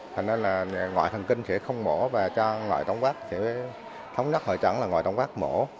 thế nên là ngoại thần kinh sẽ không mổ và cho ngoại tổng quát thống nhất hội trận là ngoại tổng quát mổ